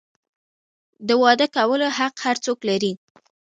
د واده کولو حق هر څوک لري.